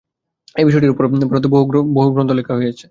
এই বিষয়টির উপর ভারতে বহু গ্রন্থ লেখা হইয়াছে।